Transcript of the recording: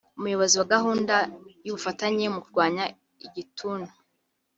Umuyobozi wa gahunda y’ubufatanye mu kurwanya igituntu